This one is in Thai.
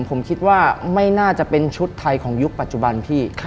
ผมคิดว่าไม่น่าจะเป็นชุดไทยของยุคปัจจุบันพี่